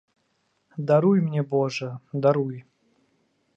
Даруй мне, божа, даруй!